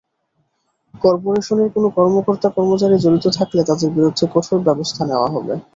করপোরেশনের কোনো কর্মকর্তা-কর্মচারী জড়িত থাকলে তাঁদের বিরুদ্ধে কঠোর ব্যবস্থা নেওয়া হবে।